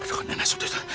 aduh nenek sudah sudah